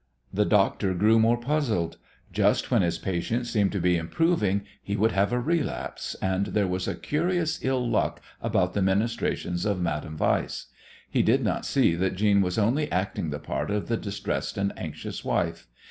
The doctor grew more puzzled. Just when his patient seemed to be improving he would have a relapse, and there was a curious ill luck about the ministrations of Madame Weiss. He did not see that Jeanne was only acting the part of the distressed and anxious wife.